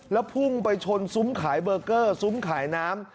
แล้วพุ่งไปชนซุ้มขายเบอร์เกอร์ซุ้มขายน้ำ